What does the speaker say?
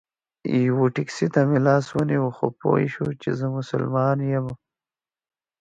یوه ټیکسي ته مې لاس ونیو خو پوی شو چې زه مسلمان یم.